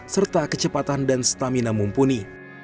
serta kecepatan dan stamina mumpuni